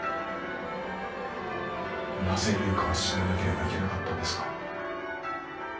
なぜ悠香は死ななければいけなかったんですか？